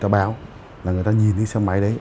ta báo là người ta nhìn đi xe máy đấy